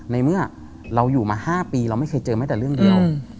ในเมื่อเราอยู่มา๕ปีเราไม่เคยเจอแม้แต่เรื่องเดียว